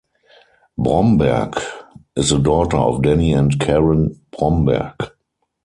Bromberg is the daughter of Danny and Karen Bromberg.